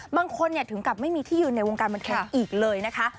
บางคนถึงกับไม่มีที่ยืนในวงการบันเทิงอีกเลยนะคะ